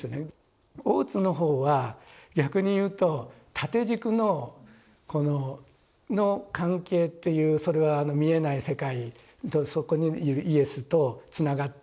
大津の方は逆に言うと縦軸の関係っていうそれは見えない世界とそこにいるイエスとつながっているっていうことがすごく強くあって。